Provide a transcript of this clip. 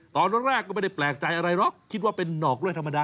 ตอนแรกก็ไม่ได้แปลกใจอะไรหรอกคิดว่าเป็นหนอกด้วยธรรมดา